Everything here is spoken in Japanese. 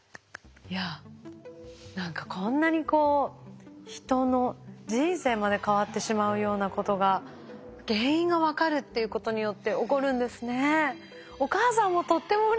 いや何かこんなにこう人の人生まで変わってしまうようなことが原因が分かるっていうことによって起こるんですね。